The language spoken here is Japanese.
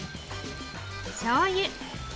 しょうゆ。